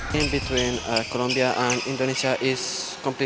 ketentuan antara kolombia dan indonesia adalah berbeda